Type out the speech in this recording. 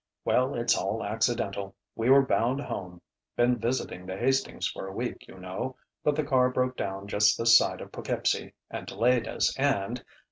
Well, it's all accidental. We were bound home been visiting the Hastings for a week, you know but the car broke down just this side of Poughkeepsie and delayed us and...."